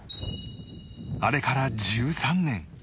あれから１３年